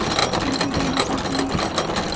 تنہا رہنا چاہتا ہوں